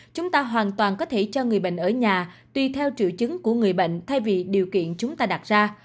chúng ta hoàn toàn có thể cho người bệnh ở nhà tuy theo triệu chứng của người bệnh thay vì điều kiện chúng ta đặt ra